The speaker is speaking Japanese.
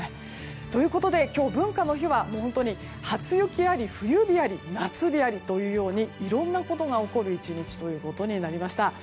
ということで今日、文化の日は本当に初雪あり冬日あり夏日ありというようにいろんなことが起こる１日となりました。